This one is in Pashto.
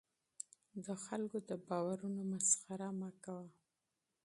د خلکو د باورونو مسخره مه کوه.